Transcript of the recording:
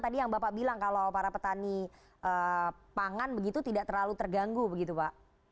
tadi yang bapak bilang kalau para petani pangan begitu tidak terlalu terganggu begitu pak